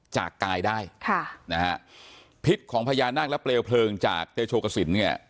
จากกายได้ค่ะนะฮะพิษของพญานาคและเปลวเพลิงจากเตโชกสินเนี่ย